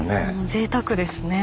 ぜいたくですね。